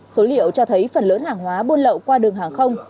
số liệu cho thấy phần lớn hàng hóa buôn lậu qua đường hàng không